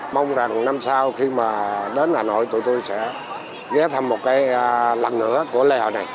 mong rằng năm sau khi mà đến hà nội tụi tôi sẽ ghé thăm một cái lần nữa của lê hà này